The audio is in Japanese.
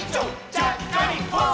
ちゃっかりポン！」